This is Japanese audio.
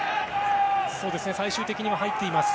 最終的には入っています。